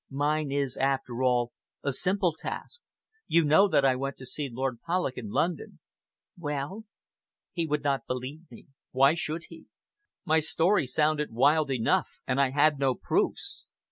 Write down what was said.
"Mine is, after all, a simple task. You know that I went to see Lord Polloch in London." "Well?" "He would not believe me. Why should he? My story sounded wild enough, and I had no proofs.